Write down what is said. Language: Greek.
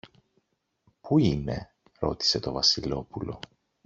Πού είναι; ρώτησε το Βασιλόπουλο.